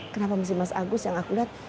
kenapa mesti mas agus yang aku lihat